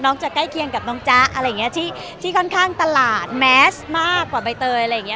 จะใกล้เคียงกับน้องจ๊ะอะไรอย่างนี้ที่ค่อนข้างตลาดแมสมากกว่าใบเตยอะไรอย่างเง